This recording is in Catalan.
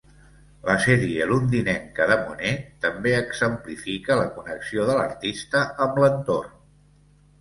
La sèrie londinenca de Monet també exemplifica la connexió de l'artista amb l'entorn.